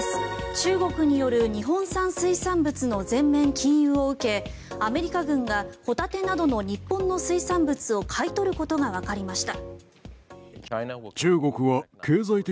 中国による日本産水産物の全面禁輸を受けアメリカ軍がホタテなどの日本の水産物を買い取ることがわかりました。